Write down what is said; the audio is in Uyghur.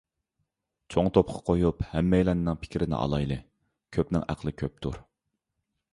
چوڭ توپقا قويۇپ ھەممەيلەننىڭ پىكرىنى ئالايلى. كۆپنىڭ ئەقلى كۆپتۇر.